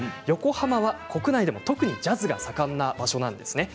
横浜は国内でも特にジャズが盛んな場所なんです。